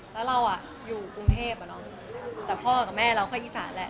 แล้วเราอยู่กรุงเทพแต่พ่อกับแม่เราก็อีสานแหละ